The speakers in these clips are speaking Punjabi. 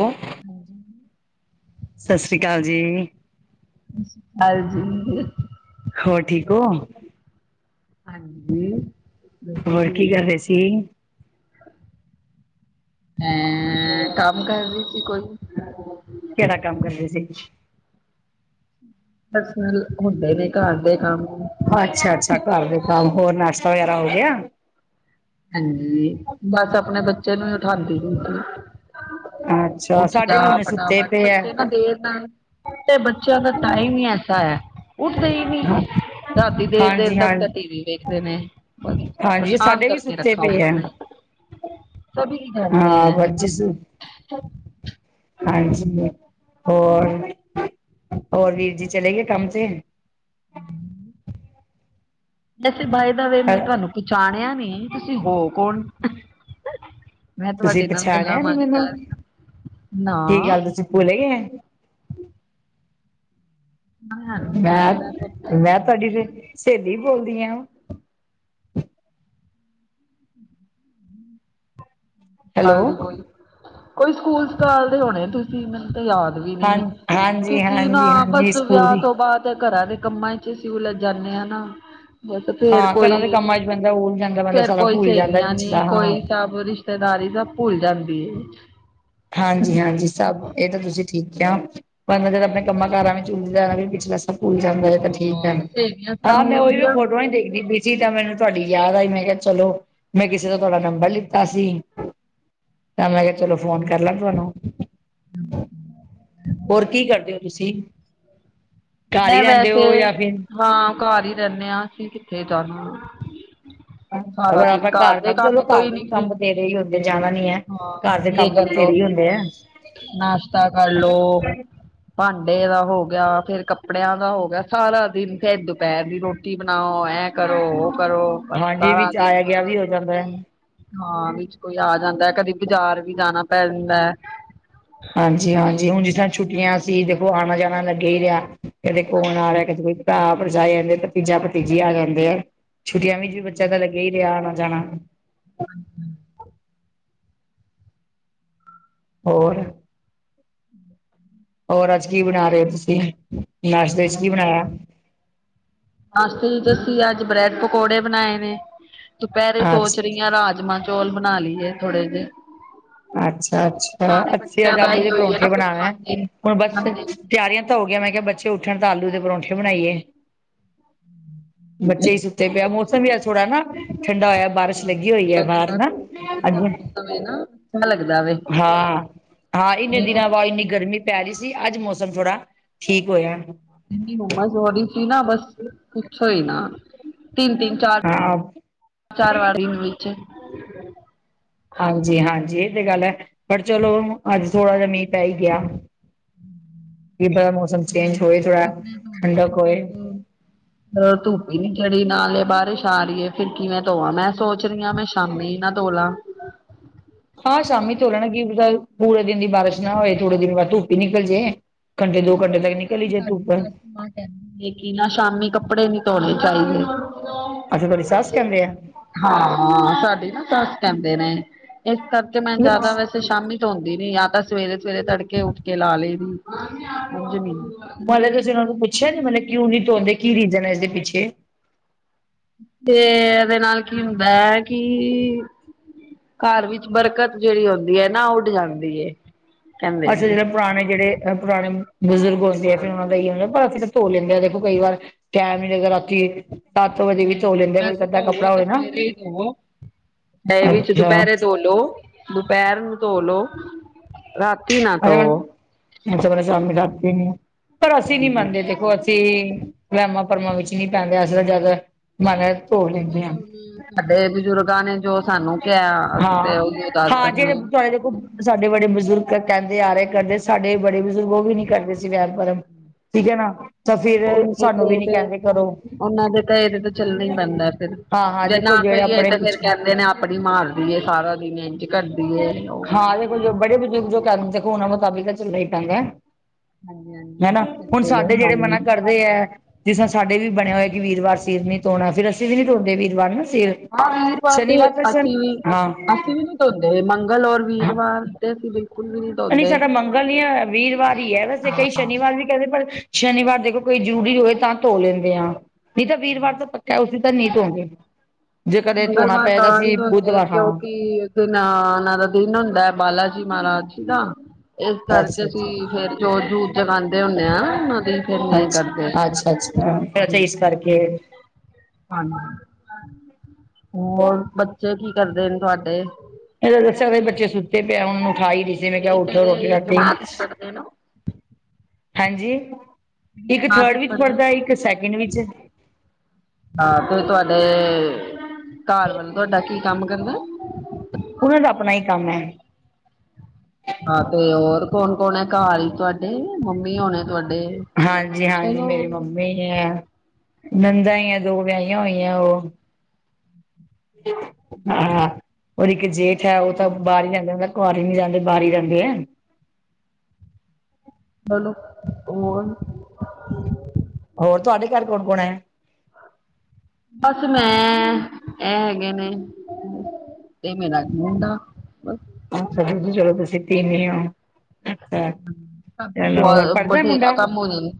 ਹੈਂ? ਹਾਂਜੀ। ਸਤਿ ਸ਼੍ਰੀ ਅਕਾਲ ਜੀ। ਸਤਿ ਸ਼੍ਰੀ ਅਕਾਲ ਜੀ। ਹੋਰ ਠੀਕ ਹੋ? ਹਾਂਜੀ। ਬਿਲਕੁਲ ਹੋਰ ਕੀ ਠੀਕ। ਕਰ ਰਹੇ ਸੀ? ਮੈਂ ਕੰਮ ਕਰ ਰਹੀ ਸੀ ਕੋਈ। [inaudible] ਕਿਹੜਾ ਕੰਮ ਕਰਦੇ ਸੀ? ਬਸ ਹੁੰਦੇ ਨੇ ਘਰ ਦੇ ਕੰਮ। ਅੱਛਾ, ਅੱਛਾ ਘਰ ਦੇ ਕੰਮ ਹੋਰ ਨਾਸ਼ਤਾ ਵਗੈਰਾ ਹੋ ਗਿਆ? ਹਾਂਜੀ ਬਸ। ਆਪਣੇ ਬੱਚੇ ਨੂੰ ਹੀ ਉਠਾਉਂਦੀ ਪਈ ਸੀ। ਅੱਛਾ, ਉੱਠ ਸਾਡੇ ਜਾ ਵੀ ਹੁਣੇ ਸੁੱਤੇ ਫਟਾਫਟ ਪਏ ਐ। ਬੱਚੇ ਤਾਂ ਦੇਰ ਨਾਲ਼। ਤੇ ਬੱਚਿਆਂ ਦਾ ਟਾਇਮ ਹੀ ਐਸਾ ਹੈ। ਉੱਠਦੇ ਹੀ ਨੀਂ। ਰਾਤੀਂ ਦੇਰ ਦੇਰ ਹਾਂਜੀ ਹਾਂ ਤੱਕ ਤਾਂ ਟੀ ਵੀ ਵੇਖਦੇਂ ਨੇਂ। ਹਾਂਜੀ ਸਾਡੇ ਵੀ। ਸੁੱਤੇ ਰੱਖਾਂ ਪਏ ਐ। ਬਣਾਉਣੇ। ਸਭ ਕੀ ਘਰ ਮੇਂ ਹੈਂ। ਜਿਸ ਦਿਨ। ਹਾਂਜੀ ਹੋਰ। ਹੋਰ ਵੀਰ ਜੀ ਚਲੇਂ ਗਏ ਕੰਮ ਤੇ। ਹੂੰ। ਵੈਸੇ ਬਾਈ ਦਾ ਵੇਅ ਮੈਂ ਤੁਹਾਂਨੂੰ ਪਛਾਣਿਆਂ ਨੀਂ ਤੁਸੀਂ ਹੋ ਕੌਂਣ। ਮੈਂ ਤੁਸੀਂ ਤੁਹਾਡੇ ਨਾਲ਼ ਗੱਲਾਂ ਪਛਾਣਿਆ ਨੀ ਮਾਰੀ ਜਾਂ ਮੈਨੂੰ, ਰਹੀਂ ਹਾਂ ਕੀ ਨਾਂਅ ਗੱਲ ਤੁਸੀਂ ਭੁੱਲ ਗਏ। ਮੈਂ, ਮੈਂ ਤੁਹਾਡੀ ਸਹੇਲੀ ਬੋਲਦੀ ਹਾਂ। ਨਾਲ਼ ਦੀ ਹੈਲੋ ਕੋਈ। ਕੋਈ ਸਕੂਲ ਸਕਾਲਦੇ ਹੋਣੇਂ ਤੁਸੀਂ ਮੈਂਨੂੰ ਤਾਂ ਯਾਦ ਵੀ ਹਾਂ ਨੀਂ। ਹਾਂਜੀ ਕਿਉਂਕਿ ਨਾ ਹਾਂਜੀ ਹਾਂਜੀ ਬਸ ਸਕੂਲ ਵਿਆਹ ਦੀ ਤੋਂ ਬਾਅਦ ਘਰਾਂ ਦੇ। ਕੰਮਾਂ ਚ ਅਸੀਂ ਉਲਝ ਜਾਂਦੇਂ ਹਾਂ ਨਾ। ਬਸ ਫ਼ਿਰ ਹਾਂ ਘਰਾਂ ਕੋਈ। ਦੇ ਕੰਮਾਂ ਚ ਬੰਦਾ ਉਲ ਜਾਂਦਾ ਬੰਦਾ ਫ਼ਿਰ ਸਾਰਾ ਕੋਈ ਭੁੱਲ ਜਾਂਦਾ ਸਹੇਲੀਆਂ ਪਿਛਲਾ ਨੀਂ ਹਾਂ ਕੋਈ ਸਭ ਰਿਸ਼ਤ ਰਿਸ਼ਤੇਦਾਰੀ ਤਾਂ ਭੁੱਲ ਜਾਂਦੀ ਏ। ਹਾਂਜੀ, ਹਾਂਜੀ ਸਭ ਇਹ ਤਾਂ ਤੁਸੀਂ ਠੀਕ ਕਿਹਾ। ਬੰਦਾ ਉਨ੍ਹਾਂ ਚਿਰ ਆਪਣੇ ਕੰਮਾਂ ਕਾਰਾਂ ਵਿੱਚ ਉਲਝਿਆ ਰਵੇ ਵਿੱਚ ਬਸ। ਸਕੂਲ ਜਾਂਦਾ ਹੈਂ ਤਾਂ ਠੀਕ ਹੈਂ। ਹਾਂ ਸਹੇਲੀਆਂ ਹਾਂ ਸਾਨੂੰ ਮੈਂ ਉਹੀਓ ਮਿਲਦੀਆਂ ਫ਼ੋਟੋਆਂ ਦੇਖਦੀ ਪਈ ਸੀ। ਤਾਂਹੀਂ ਤਾਂ ਮੈਂਨੂੰ ਤੁਹਾਡੀ ਯਾਦ ਆਈਂ। ‌ਮੈਂ ਕਿਹਾ ਚੱਲੋਂ। ਮੈਂ ਕਿਸ਼ੇ ਤੋਂ ਤੁਹਾਡਾ ਨੰਬਰ ਲਿੱਤਾ ਸੀ। ਤਾਂ ਮੈਂ ਕਿਹਾਂ ਚਲੋ ਫ਼ੋਨ। ਕਰ ਲੈ ਤੁਹਾਂਨੂੰ। ਹੋਰ ਕੀ ਕਰਦੇਂ ਹੋ ਤੁਸੀਂ। ਘਰ ਹੀ ਮੈਂ ਰਹਿੰਦੇ ਵੈਸੇ ਹੋ ਜਾਂ ਫਿਰ ਹਾਂ। ਘਰ ਹੀ ਰਹਿੰਦੇਂ ਆ ਅਸੀਂ ਕਿੱਥੇ ਜਾਂਣਾਂ। ਮੈਂ ਕਿਹਾਂ ਘਰ ਕੰਢ ਚਲੋਂ। ਘਰ ਤੋਂ ਹੀ ਵਾਲੇ ਨੀ ਕੰਮ ਫ੍ਰੀ ਵੀ ਤੇਰੇ ਹੁੰਦੇ। ਜਾਣਾਂ ਨੀਂ ਹੈਂ। ਹਾਂ ਘਰ ਦੇ ਯੇ ਕੰਮ ਮੱਤਲਬ ਕਰਲੋ ਬਥੇਰੇ ਹੀ ਹੁੰਦੇ ਹੈਂ। ਨਾਸ਼ਤਾ ਕਰਲੋ ਭਾਂਡੇ ਦਾ ਹੋ ਗਿਆਂ ਫ਼ਿਰ ਕੱਪੜ ਕੱਪੜਿਆਂ ਦਾ ਹੋ ਗਿਆਂ। ਸਾਰਾ ਦਿਨ ਫ਼ਿਰ ਦੁਪਹਿਰ ਦੀ ਰੋਟੀ ਬਣਾਓ ਐ ਕਰੋਂ ਉਹ ਕਰੋਂ। ਬਸ ਹਾਂਜੀ ਸਾਰਾਂ ਵਿੱਚ ਦਿਨ ਆਇਆ ਗਿਆ ਸਤਾਉਂਦੇ। ਵੀ ਹੋ ਜਾਂਦਾ ਹੈ। ਹਾਂ ਵਿੱਚ ਕੋਈ ਆ ਜਾਂਦਾਂ ਕਦੀਂ ਬਾਜ਼ਾਰ ਵੀ ਜਾਣਾਂ ਪੈਂ ਜਾਂਦਾ ਐਂ। ਹਾਂਜੀ, ਹਾਂਜੀ ਹੁਣ ਜਿਸ ਤਰ੍ਹਾਂ ਛੁੱਟੀਆਂ ਸੀ। ਦੇਖੋਂ ਆਉਣਾਂ ਜਾਣਾਂ ਲੱਗੇਂ ਹੀ ਰਿਹਾਂ। ਕਦੇ ਕੌਣ ਆ ਰਿਹਾਂ। ਕਦੇ ਕੋਈ ਭਰਾ ਭਰਜਾਈ ਆ ਜਾਂਦੇਂ। ਭਤੀਜਾ ਭਤੀਜੀ ਆ ਜਾਂਦੇ ਆ। ਛੁੱਟੀਆਂ ਵਿਚ ਬੱਚਿਆਂ ਦਾ ਲੱਗਿਆਂ ਹੀ ਰਿਹਾਂ ਆਉਣਾਂ ਜਾਣਾਂ। [inaudible] ਹੋਰ। ਹੋਰ ਅੱਜ ਕੀ ਬਣਾ ਰਹੇ ਹੋ ਤੁਸੀਂ ਨਾਸ਼ਤੇ ਇਚ ਕੀ ਬਣਾਇਆ ਨਾਸ਼ਤੇ ਚ ਅਸੀਂ ਅੱਜ ਬ੍ਰੈਡ ਪਕੌੜੇ ਬਣਾਏ ਨੇ ਦੁਪਹਿਰੇ ਸੋਚ ਅੱਜ ਰਹੀ ਹ ਰਾਜਮਾਂ ਚੌਲ ਬਣਾ ਲਈਏ, ਥੋੜੇ ਜਿਹੇ ਅੱਛਾ-ਅੱਛਾ। ਅੱਛੇਜ ਬੱਚਿਆਂ ਦਾ ਆਲੂ ਹੀ ਦੇ ਹੋਈ ਹੈ ਨਾ ਪਰੌਠੇ ਫਿਰ ਬਣਾਣਾ। ਖਾਂਦੇ ਨੀ ਹੁਣ ਬਸ ਖਾਂਦੇ ਨੀ ਤਿਆਰੀਆਂ ਹੋ ਗਿਆ ਮੈਂ ਕਿਹਾ ਬੱਚੇ ਉੱਠਣ ਤਾਂ ਆਲੂ ਦੇ ਪਰੌਂਠੇ ਬਣਾਈਏ। ਬੱਚੇ ਸੁ ਤੇ ਪਿਆ ਮੌਸਮ ਵੀ ਅਜ ਥੋੜਾ ਨਾ। ਠੰਡਾ ਹੋਇਆ ਬਾਰਿਸ਼ ਹਾਂ ਲੱਗੀ ਹੋਈ ਹੈ ਬਾਹਰ ਨਾ। ਅੱਜ ਸਵੇ ਨਾ ਲੱਗਦਾ ਵੇ ਹਾਂ। ਹਾਂ ਇੰਨੇ ਨਹੀਂ ਤੇ ਦਿਨਾਂ ਬਾਅਦ ਇੰਨੀ ਗਰਮੀ ਪੈ ਰਹੀ ਸੀ। ਅੱਜ ਮੌਸਮ ਥੋੜ੍ਹਾ ਠੀਕ ਹੋਇਆ ਇਨੀ ਹੂਮਸ ਹੋ ਰੀ ਸੀ ਨਾ। ਬਸ, ਪੁਛੋ ਹੀ ਨਾ। ਤਿੰਨ ਤਿੰਨ ਚਾਰ- ਹਾਂ। ਚਾਰ ਵਾਰੀਂ ਨੂੰ ਵਿੱਚ। ਹਾਂਜੀ ਹਾਂਜੀ ਇਹ ਤੇ ਗੱਲ ਹੈਂ। ਪਰ ਚਲੋਂ ਅੱਜ਼ ਥੋੜ੍ਹਾਂ ਜਿਹਾਂ ਮੀਂਹ ਪੈ ਹੀ ਗਿਆਂ। ਕਿ ਇਦਾਂ ਦਾ ਮੌਸਮ ਚੇਂਜ ਹੋਏ ਥੋੜਾਂ ਠੰਡਕ ਹੋਏ। ਧੁੱਪ ਹੀ ਨੀਂ ਚੜੀ ਨਾਲ਼ੇ ਬਾਰਿਸ਼ ਆ ਰਹੀ ਹੈਂ। ਫ਼ਿਰ ਕਿਵੇਂ ਤੋਵਾਂ ਮੈਂ ਸੋਚ ਰਹੀ ਹਾਂ ਮੈਂ ਸ਼ਾਮੀ ਹੀ ਨਾ ਤੋਲਾਂ। ਹਾਂ ਸ਼ਾਮੀ ਤੋਲਣਾ ਕਿ ਪਤਾਂ ਪੂਰੇ ਦਿਨ ਦੀ ਬਾਰਿਸ਼ ਨਾ ਹੋਏ। ਥੋੜੇ ਦੇਰ ਬਾਅਦ ਧੁੱਪ ਹੀ ਨਿਕਲ਼ ਜੇ। ਘੰਟੇ ਦੋ ਘੰਟੇ ਤੱਕ ਨਿਕਲ ਹੀ ਜੇ ਧੁੱਪ। ਨਾ ਸ਼ਾਮੀ ਕੱਪੜੇ ਨੀ ਧੌਨੇ ਚਾਹੀਦੇ ਅੱਛਾ ਤੁਹਾਡੀ ਸੱਸ ਕਹਿੰਦੇ ਆ ਹਾਂ-ਹਾਂ ਸਾਡੀ ਨਾ ਸੱਸ ਕਹਿੰਦੇ ਨੇ। ਇਸ ਕਰਕੇ ਮੈਂ ਜ਼ਿਆਦਾ ਵੈਸੇ ਮਤਲਬ ਤੇ ਸ਼ਾਮੀ ਧੌੰਦੀ ਨੀ। ਯਾਂ ਤਾਂ ਸਵੇਰੇ-ਸਵੇਰੇ ਤੜਕੇ ਉੱਠ ਕੇ ਲਾ ਲਇ ਦੀ। ਜ਼ਮੀਨ ਮਤਲਬ ਤੁਸੀਂ ਉ ਨੂ ਪੁੱਛਿਆ ਨਇ। ਮਤਲਬ ਕਿਉਂ ਨੀ ਧੋਂਂਦੇ? ਕੀ ਰੀਜ਼ਨ ਹੈ ਇਸਦੇ ਪਿੱਛੇ ਤੇ ਇਹਦੇ ਨਾਲ ਕੀ ਹੁੰਦਾ ਹੈ ਕੀ ਘਰ ਵਿੱਚ ਬਰਕਤ ਜਿਹੜੀ ਹੁੰਦੀ ਹੈ ਨਾ। ਉੱਡ ਜਾਂਦੀ ਏ ਕਹਿੰਦੇ ਅੱਛਾ ਨੇ। ਜਿਹੜੇ ਪੁਰਾਣੇ ਜਿਹੜੇ ਅ ਪੁਰਾਣੇ, ਬਜ਼ੁਰਗ ਹੁੰਦੇ ਆ ਫੇਰ ਉਹਨਾਂ ਦਾ ਹੀ ਹੈ ਨਾ ਪਰ ਫਿਰ ਧੋ ਲੈਂਦੇ ਆ ਦੇਖੋ ਕਈ ਵਾਰ, ਟੈਮ ਨੀ ਲਗਦਾ ਰਾਤੀ ਸੱਤ ਵਜੇ ਵੀ ਧੋ ਨਹੀਂ-ਨਹੀਂ ਲੈਂਦੇ ਕੋਈ ਵੈਸੇ ਅੱਧਾ ਤਾਂ ਹੋਵੋ ਕੱਪੜਾ ਤਾਂ ਹੋਵੇ ਨਾ ਸਵੇੇਰੇ ਹੀ ਦਵੋ ਇਹ ਵਿੱਚ ਅੱਛਾ ਦੁਪਹਿਰੇ ਧੌਲੋ ਦੁਪਹਿਰ ਨੂੰ ਧੋਲੋ। ਰਾਤੀ ਨਾ ਧੋਵੋ ਮੈ ਸਵੇਰੇ, ਸ਼ਾਮੀ, ਰਾਤੀ ਨੁ, ਪਰ ਅਸੀਂ ਨੀ ਮੰਨਦੇ ਦੇਖੋ ਅਸੀਂ ਵੈਮਾਂ, ਭਰਮਾਂ ਵਿੱਚ ਨਹੀਂ ਪੈਂਦੇ ਅਸੀਂ ਤਾਂ ਜ਼ਿਆਦਾ ਧੋ ਲੈਂਦੇ ਹਾਂ ਸਾਡੇ ਬਜ਼ੁਰਗਾਂ ਨੇ ਜੋ ਸਾਨੂੰ ਕਿਹਾ, ਅਸੀਂ ਹਾਂ ਤੇ ਉਹ ਦੱਸ ਹਾਂ ਸਕਦੇ ਹ [inaudible] ਸਾਡੇ ਬੜੇ ਬਜ਼ੁਰਗ ਕਹਿੰਦੇ ਆ ਰਹੇ ਕਰਦੇ ਸਾਡੇ ਬੜੇ ਬਜ਼ੁਰਗ ਉਹ ਵੀ ਨੀ ਕਰਦੇ ਸੀ ਵਹਿਮ ਭਰਮ ਠੀਕ ਹੈ ਨਾ ਤਾਂ ਫਿਰ ਸਾਨੂੰ ਵੀ ਨੀ ਕਹਿੰਦੇ ਕਰੋ ਉਹਨਾਂ ਦੇ ਤਾਂ ਇਹਦੇ ਤਾਂ ਚੱਲਣਾ ਹੀ ਪੈਂਦਾ ਫਿਰ ਹਾਂ ਹਾਂ ਜੇ ਦੇਖੋ ਨਾ ਜਿਹੜੇ ਕਹੀਏ ਆਪਣੇ ਤੇ ਫੇਰ ਕਹਿੰਦੇ ਨੇ ਆਪਣੀ ਮਾਰਦੀ ਏ ਸਾਰਾ ਦਿਨ ਇੰ ਜ ਹਾਂ ਦੇਖੋ ਜੋ ਬੜੇ ਬਜ਼ੁਰਗ ਜੋ ਕੇੰਹਦੇ ਦੇਖੋ ਉਹਨਾਂ ਮੁਤਾਬਿਕ ਚੱਲਣਾ ਹੀ ਪੈਂਦਾ ਹਾਂਜੀ ਹਨਾ। ਹਾਂਜੀ ਹੁਣ ਬਿਲਕੁਲ ਸਾਡੇ ਜਿਹੜੇ ਹਾਂਜੀ। ਮਨਾ ਕਰਦੇ ਜਿਸ ਤਾਂ ਸਾਡੇ ਵੀ ਬਣਿਆ ਹੋਇਆ ਕਿ ਵੀਰਵਾਰ ਸਿਰ ਨੀ ਧੋਣਾ। ਫਿਰ ਅਸੀਂ ਵੀ ਨੀ ਧੋੰਦੇ ਵੀਰਵਾਰ ਨਾ ਸਿਰ ਆਹ ਵੀਰਵਾਰ ਤੇ ਸ਼ਨੀਵਾਰ ਤਾਂ ਸ਼ਨ ਅਸੀ ਵੀ, ਹਾਂ ਅਸੀ ਵੀ ਧੋੰਦੇ। ਮੰਗਲ ਔਰ ਵੀਰਵਾਰ ਤੇ ਅਸੀਂ ਬਿਲਕੁਲ ਵੀ ਨਹੀਂ ਧੋਂਦੇ ਸਾਡਾ ਮੰਗਲ ਯਾ ਵੀਰਵਾਰ ਹੀ ਹੈ। ਵੈਸੇ ਕਈ ਸ਼ਨੀਵਾਰ ਵੀ ਕਹਿੰਦੇ ਪਰ ਸ਼ਨੀਵਾਰ ਦੇਖੋ ਕੋਈ ਜ਼ਰੂਰੀ ਹੋਏ ਤਾਂ ਧੋ ਲੈਂਦੇ ਆਾਂ। ਨਹੀਂ ਤਾਂ ਵੀਰਵਾਰ ਤਾਂ ਪੱਕਾ ਉਸ ਤ ਨੀ ਧੋੰਦੇ ਮੰਗਲਵਾਰ ਤਾਂ ਨੀ ਧੋਂਦੇ ਬੁੱਧਵਾਰ ਹਾਂ ਕਿਉਂਕਿ ਤੇ ਨਾ ੳਨਾ ਦਾ ਦਿਨ ਹੁੰਦਾ ਹੈ। ਬਾਲਾ ਜੀ ਮਹਾਰਾਜ ਜੀ ਦਾ ਇਸ ਕਰਕੇ ਅੱਛਾ ਅੱਛਾ ਅਸੀਂ ਫਿਰ ਜੋਤ ਜੂਤ ਜਗਾਦੇੰ ਹੁੰਨੇ ਹਾਂ। ਉਹਨਾਂ ਦੀ ਫਿਰ ਨਹੀਂ ਕਰਦੇ ਅੱਛਾ-ਅੱਛਾ। ਐਥੇ ਇਸ ਕਰਕੇ ਕੇ ਹਾਂਜੀ ਹੋਰ ਬੱਚੇ ਕੀ ਕਰਦੇ ਨੇ ਤੁਹਾਡੇ ਇਹਨਾ ਦਾ ਅੱਛਾ ਵੇ ਬੱਚੇ ਸੁੱਤੇ ਪਏ ਏ ਉਹਨੂੰ ਉਠਾਈ ਦਿੰਦੇ ਵੇ ਮੈਂ ਕਿਹਾ ਇਹ ਉੱਠ ਰੋਟੀ ਕਿਹੜੇ ਰਾਟੀ ਜਮਾਤ ਚ ਪੜ੍ਹਦੇ ਨਾ ਹਾਂਜੀ ਇੱਕ ਜਮਾਤ ਥਰਡ ਚ ਵਿੱਚ ਪੜ੍ਹਦੇ ਪੜ੍ਹਦਾ ਇੱਕ ਸੈਕਿੰਡ ਵਿੱਚ ਹਾਂ ਤੇ ਤੁਹਾਡੇ ਘਰ ਵਾਲਾ ਤੁਹਾਡਾ ਕੀ ਕੰਮ ਕਰਦਾ ਉਹਨਾਂ ਦਾ ਆਪਣਾ ਹੀ ਕੰਮ ਹੈ ਹਾਂ ਤੇ ਹੋਰ ਕੌਣ ਕੌਣ ਹੈ ਘਾਰ ਹੀ ਤੁਹਾਡੇ ਮੰਮੀ ਹੋਣੇ ਤੁਹਾਡੇ ਹਾਂਜੀ ਹਾਂਜੀ ਮੇਰੀ ਮੰਮੀ ਆ ਨੰਦਾ ਹੀ ਆ ਦੋ ਵਿਆਹੀਆਂ ਹੋਈਆਂ ਉਹ ਹਾਂ ਔਰ ਇੱਕ ਜੇਠ ਹੈ ਉਹ ਤਾਂ ਬਾਹਰ ਹੀ ਰਹੰਦਾ ਹੁੰਦਾ ਘਰ ਹੀ ਨੀ ਰਹੰਦੇ ਬਾਹਰ ਹੀ ਰਹੰਦੇ ਹੈ ਚਲੋ ਉਰ ਹੋਰ ਤੁਹਾਡੇ ਘਰ ਕੌਣ ਕੌਣ ਹੈ ਬਸ ਮੈਂ, ਇਹ ਹੈਗੇ ਨੇ। ਤੇ ਮੇਰਾ ਮੁੰਡਾ ਬਸ ਅੱਛਾ ਦੁਜੀ ਜਗਹ ਤੇ ਸੁਤੀ ਨੀ ਏ ਕਾਫੀ ਹੇਲੋ। ਬਹੁਤ ਪੜਦਾ ਬਥੇਰਾ ਮੁੰਡਾ ਕੰਮ ਹੋ ਜਾਂਦਾ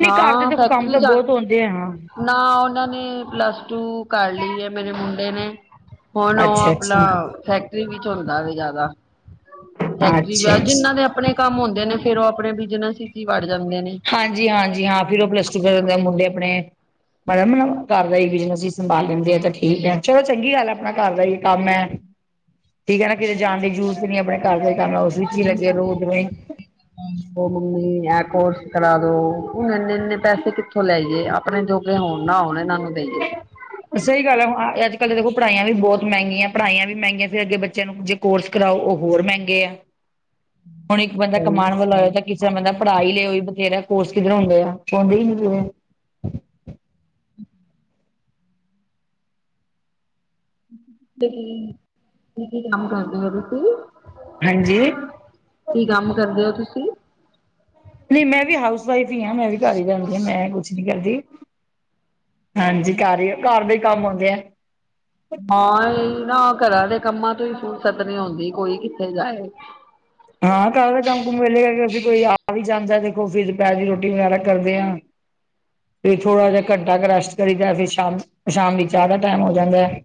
ਨਹੀਂ ਘਰ ਦੇ ਹਾਂ ਦੇਖੋ ਕੰਮ ਫੈਕਟਰੀ ਤਾਂ ਜਾ ਬਹੁਤ ਆਉਂਦੇ ਆ ਹਾਂ ਨਾ ਉਹਨਾਂ ਨੇ ਪਲੱਸ ਟੂ ਕਰ ਲਈ ਹੈ। ਮੇਰੇ ਮੁੰਡੇ ਨੇ ਹੁਣ ਉਹ ਅੱਛਾ ਆਪਣਾ ਅੱਛਾ ਫੈਕਟਰੀ ਵਿੱਚ ਹੁੰਦਾ ਵੇ ਜ਼ਿਆਦਾ ਫੈਕਟਰੀ ਵਿਆ ਅੱਛਾ ਅੱਛਾ ਦੇ ਆਪਣੇ ਕੰਮ ਹੁੰਦੇ ਨੇ ਫੇਰ ਉਹ ਆਪਣੇ ਬਿਜਨਸ ਵਿੱਚ ਹੀ ਵਾੜ ਜਾਂਦੇ ਨੇ ਹਾਂਜੀ ਹਾਂਜੀ ਹਾਂ ਫਿਰ ਓ ਪਲੱਸਟੂ ਆਪਣੇ ਕੰਮ ਕਰਨ ਮੁੰਡੇ ਆਪਣੇ ਮ ਘਰ ਦਾ ਹੀ ਬਿਜਨਸ ਹੀ ਸੰਭਾਲ ਲੈਂਦੇ ਆ ਤਾਂ ਠੀਕ ਹੈ ਚਲੋ ਚੰਗੀ ਗੱਲ ਹੈ ਆਪਣਾ ਘਰ ਦਾ ਹੀ ਕੰਮ ਹੈ ਠੀਕ ਹੈ ਨਾ ਕਿਤੇ ਜਾਣ ਦੀ ਜ਼ਰੂਰ ਨੀ ਆਪਣੇ ਘਰ ਦਾ ਕੰਮ ਉਸ ਵਿੱਚ ਹੀ ਲੱਗੇ ਦੋਵੇਂ ਮੰਮੀ ਇਹ ਕੋਰਸ ਕਰਾ ਦੋ ਹੁਣ ਇੰਨੇ ਇੰਨੇ ਪੈਸੇ ਕਿੱਥੋਂ ਲੇ ਆਈ ਏ ਆਪ ਆਪਣੇ ਜੋਗੇ ਹੋਣ ਨਾਣ ਹੋਣ ਇਹਨਾਂ ਨੂੰ ਦੇਈਏ ਹਾਂ ਸਹੀ ਗੱਲ ਹੁਣ ਅੱਜ ਕੱਲ ਦੇਖੋ ਪੜ੍ਹਾਈਆਂ ਵੀ ਬਹੁਤ ਮਹਿੰਗੀਆਂ ਪੜ੍ਹਾਈਆਂ ਵੀ ਮਹਿੰਗੀਆਂ ਫਿਰ ਅੱਗੇ ਬੱਚਿਆਂ ਨੂੰ ਜ ਕੋਰਸ ਕਰਾਓ ਉਹ ਹੋਰ ਮਹਿੰਗੇ ਆ ਹੁਣ ਇੱਕ ਬੰਦਾ ਕਮਾਉਣ ਤੇ ਵਾਲਾ ਹੋਇਆ ਤਾਂ ਕਿਸ ਤਰ੍ਹਾਂ ਬੰਦਾ ਪੜ੍ਹਾ ਹੀ ਲਿਓ ਬਥੇਰਾ ਕੋਰਸ ਕਿੱਧਰ ਹੁੰਦੇ ਆ ਹੋਂਦੇ ਹੀ ਨ ਤੇ ਕੀ ਕੰਮ ਕਰਦੇ ਹੋ ਤਸੀ ਹਾਂਜੀ ਨਹੀਂ ਕੀ ਕੰਮ ਕਰਦੇ ਹੋ ਤੁਸੀਂ ਨਹੀਂ ਮੈਂ ਵੀ ਹਾਊਸ ਵਾਈਫ ਹੀ ਹਾਂ ਮੈਂ ਵੀ ਘਰ ਹੀ ਰਹਿਣਦੀ ਹਾਂ ਮੈਂ ਅੱਛਾ ਕੁਛ ਨੀ ਅੱਛਾ ਕਰਦੀ ਹਾਂਜੀ ਘਰ ਹੀ ਘਰ ਦੇ ਹੀ ਕੰਮ ਆਉਂਦੇ ਆ ਹਾਂ ਇਹ ਨਾ ਘਰਾਂ ਦੇ ਕੰਮਾਂ ਤੋਂ ਹੀ ਫੁਰਸਤ ਨੀ ਆਉਂਦੀ ਕੋਈ ਕਿੱਥੇ ਜਾਏ [inaudible] ਹਾਂ ਘਰ ਦਾ ਕੰਮ ਕੁਮ ਵੇਲੇਗਾ ਕਿ ਅਸੀਂ ਕੋਈ ਆ ਵੀ ਜਾਂਦਾ ਦੇਖੋ ਫਿਰ ਦੁਪਹਿਰ ਦੀ ਰੋਟੀ ਵਗੈਰਾ ਕਰਦੇ ਹਾਂ [inaudible] ਫਿਰ ਥੋੜਾ ਜਹਾ ਘੰਟਾ ਕੁ ਰੈਸਟ ਕਰੀਦਾ ਫਿਰ ਸ਼ਾਮ ਸ਼ਾਮ ਦੀ ਚਾਹ ਦਾ ਟਾਈਮ ਹੋ ਜਾਂਦਾ ਹੈ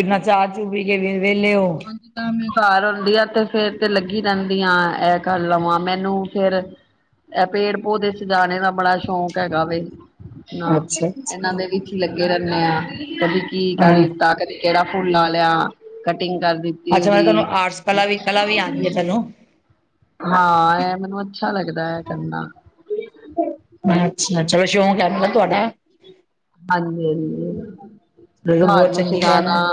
ਏਨਾ ਚਾਹ ਚੂ ਪੀ ਕੇ ਵੀ ਵਹਲੇ ਹੋ ਓਤਾ ਮੇ ਵੀ ਘਰ ਹੁੰਦੀ ਆ ਤੇ ਫੇਰ ਤੇ ਲੱਗੀ ਰਹਿੰਦੀ ਆ ਇਹ ਕਰ ਲਵਾਂ ਮੈਨੂੰ ਫੇਰ ਇਹ ਪੇੜ ਪੌਦੇ ਸਜਾਣੇ ਦਾ ਬੜਾ ਸ਼ੌਕ ਹੈਗਾ ਵੇ ਨਾ ਅੱਛਾ ਇਹਨਾਂ ਦੇ ਵਿੱਚ ਲੱਗੀ ਲਗੇ ਰਹਦੇ ਆ ਕਦੀ ਕੀ ਕਰ ਹਾਂ ਲਿੱਤਾ ਕਦੇ ਕਿਹੜਾ ਫੁੱਲ ਲਾ ਲਿਆ ਕਟਿੰਗ ਕਰ ਦਿੱਤੀ ਉਹ ਅੱਛਾ ਮੈਂ ਤੁਹਾਨੂੰ ਵੀ ਆਰਟਸ ਕਲਾ ਵੀ ਕਲਾ ਵੀ ਆਉਂਦੀ ਹੈ ਤੁਹਾਨੂੰ ਹਾਂ ਇਹ ਮੈਨੂੰ ਅੱਛਾ ਲੱਗਦਾ ਹੈ ਕਰਨਾ ਅੱਛਾ ਚਲੋ ਸ਼ੌਂਕ ਹੈ ਨਾ ਤੁਹਾਡਾ ਹਾਂਜੀ ਹਾਂਜੀ ਘਰ ਬਹੁਤ ਨੂੰ ਚੰਗੀ ਗਾ ਸਜਾਣਾ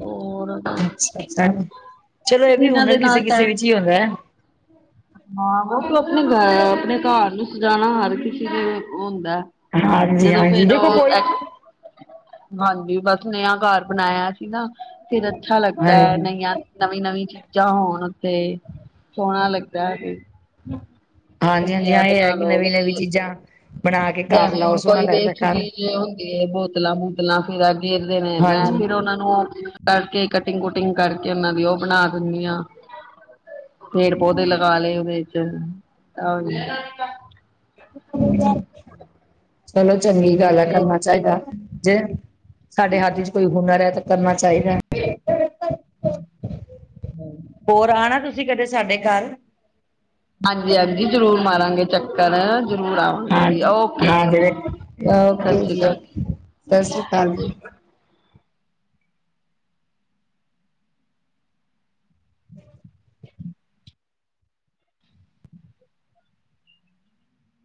ਹੋਰ ਆਾ ਚਲੋ ਇਹ ਵੀ ਇਹਨਾਂ ਹੁਨਰ ਦੇ ਕਿਸੇ ਨਾਲ ਕਿਸੇ ਟਾਈਮ ਵਿੱਚ ਹੀ ਆਉਂਦਾ ਹੇ ਹਾਂ ਉਹ ਤੂੰ ਆਪਣੇ ਆਪਣੇ ਘਰ ਨੂੰ ਸਜਾਉਣਾ ਹਰ ਕਿਸੇ ਨੂੰ ਹੁੰਦਾ ਹਾਂਜੀ ਜਦੋਂ ਹਾਂਜੀ ਫਿਰ ਦੇਖੋ ਕੋਈ ਉਹ ਹਾਂਜੀ ਬੱਸ ਨਯਾਂ ਘਰ ਬਣਾਇਆ ਸੀ ਨਾ ਫਿਰ ਅੱਛਾ ਲੱਗਦਾ ਹੈ ਹਾਂਜੀ ਨੀਆਂ ਨਵੀਂ ਨਵੀਂ ਚੀਜ਼ਾਂ ਹੋਣ ਉੱਥੇ ਸੋਹਣਾ ਲੱਗਦਾ ਹੈ ਹਾਂਜੀ ਕਦੀ ਹਾਂਜੀ ਹਾਂ ਇਹ ਹੈ ਬਣਾ ਕਿ ਨਵੀਂ ਨਵੀਂ ਲਓਗੇ ਚੀਜ਼ਾਂ ਬਣਾ ਕੇ ਘਰ ਜਿਵੇਂ ਲਾਓ ਹੁਣ ਸੋਹਣਾ ਕੋਈ ਲੱਗਦਾ ਵੇਸਟ ਘਰ ਚੀਜ਼ ਹੁੰਦੀ ਹੈ ਬੋਤਲਾਂ ਬੋਤਲਾਂ ਫਿਰ ਗੇਰਦੇ ਨੇ ਮੈਂ ਹਾਂਜੀ ਫਿਰ ਉਹਨਾ ਨੂੰ ਕਰਕੇ ਕਟਿੰਗ ਕੁਟਿੰਗ ਕਰਕੇ ਉਹਨਾਂ ਦੀ ਉਹ ਬਣਾ ਦਿੰਦੀ ਹਾਂ ਪੇੜ ਪੌਦੇ ਲਗਾ ਲਏ ਉਹਦੇ ਚ ਚਲੋ ਚੰਗੀ ਗੱਲ ਆ ਕਰਨਾ ਚਾਹੀਦਾ ਜੇ ਸਾਡੇ ਹੱਥ ਚ ਕੋਈ ਹੁਨਰ ਹੈ ਤਾਂ ਕਰਨਾ ਚਾਹੀਦਾ [inaudible] ਹੋਰ ਆਉਣਾ ਤੁਸੀਂ ਕਦੇ ਸਾਡੇ ਘਰ ਹਾਂਜੀ ਹਾਂਜੀ ਜ਼ਰੂਰ ਮਾਰਾਂਗੇ ਚੱਕਰ ਜ਼ਰੂਰ ਆਵਾਂਗੇ ਹਾਂਜੀ ਓਕੇ ਹਾਂ ਜੀ ਸਤਿ ਓਕੇ ਸ਼੍ਰੀ ਜੀਓ ਅਕਾਲ ਸਤਿ ਸ਼੍ਰੀ ਅਕਾਲ ਜੀ।